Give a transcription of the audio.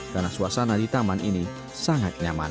karena suasana di taman ini sangat nyaman